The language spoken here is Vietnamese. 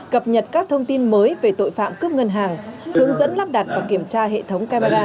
cập nhật các thông tin mới về tội phạm cướp ngân hàng hướng dẫn lắp đặt và kiểm tra hệ thống camera